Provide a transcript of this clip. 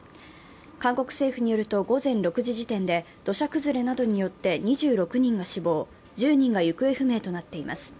韓国政府によると午前６時時点で土砂崩れなどによって２６人が死亡、１０人が行方不明となっています。